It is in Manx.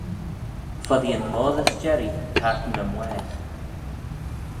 Foddee yn moddey s'jerree tayrtyn y mwaagh